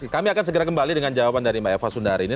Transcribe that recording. kami akan segera kembali dengan jawaban dari mbak eva sundari ini